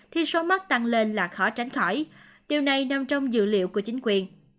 thì số mắc tăng lên là khó tránh khỏi điều này nằm trong dự liệu của chính quyền